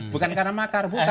bukan karena makar